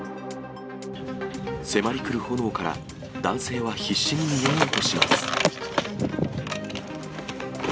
迫り来る炎から男性は必死に逃げようとします。